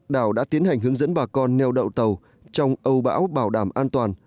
đảo đã tiến hành hướng dẫn bà con neo đậu tàu trong âu bão bảo đảm an toàn